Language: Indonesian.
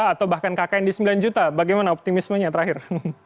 atau bahkan kkn di sembilan juta bagaimana optimismenya terakhir